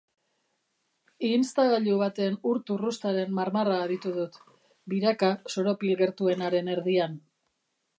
Ihinztagailu baten ur-turrustaren marmarra aditu dut, biraka soropil gertuenaren erdian.